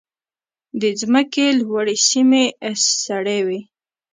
د ځمکې لوړې سیمې سړې وي.